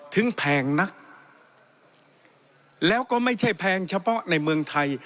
แพงนักแล้วก็ไม่ใช่แพงเฉพาะในเมืองไทย